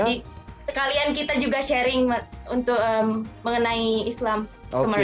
jadi sekalian kita juga sharing untuk mengenai islam ke mereka